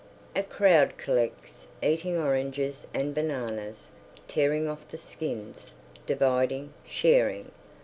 A crowd collects, eating oranges and bananas, tearing off the skins, dividing, sharing.